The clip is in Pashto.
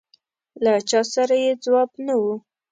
له چا سره یې ځواب نه و.